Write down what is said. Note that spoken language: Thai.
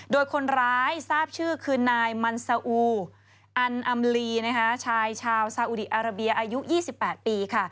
โดยคนร้ายทราบชื่อคือนายมันซาอูอันอำลีชายชาวซาอุดีอาราเบียอายุ๒๘ปีค่ะ